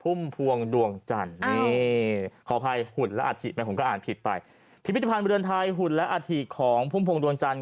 ผมพาไปดูต่อครับที่พิวพิธภัณฑ์เหมือนไทยหุ่นและอิตพุ่มพวงดวงจันทร์